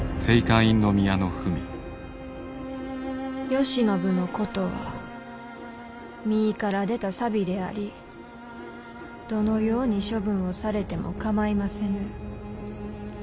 「慶喜のことは身から出た錆でありどのように処分をされても構いませぬ。